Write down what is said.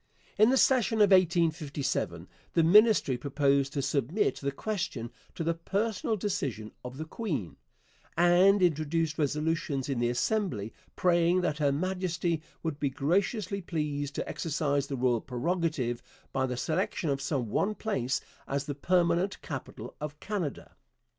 In the session of 1857 the Ministry proposed to submit the question to the personal decision of the queen, and introduced resolutions in the Assembly praying that Her Majesty would be graciously pleased to exercise the royal prerogative by the selection of some one place as the permanent capital of Canada.